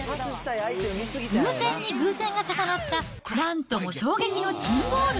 偶然に偶然が重なったなんとも衝撃の珍ゴール。